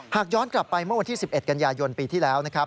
หากย้อนกลับไปเมื่อวันที่๑๑กันยายนปีที่แล้วนะครับ